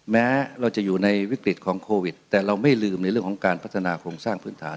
แม้เราจะอยู่ในวิกฤตของโควิดแต่เราไม่ลืมในเรื่องของการพัฒนาโครงสร้างพื้นฐาน